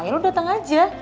ya lo dateng aja